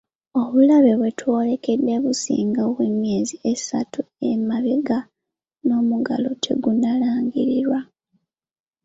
Obulabe bwe twolekedde businga obwe emyezi esatu emabega ng'omuggalo tegunnalangirirwa.